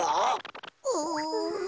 うん。